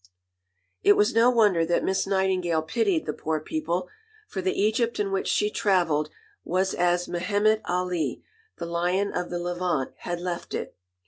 It was no wonder that Miss Nightingale pitied the poor people; for the Egypt in which she travelled was as Mehemet Ali, the Lion of the Levant, had left it.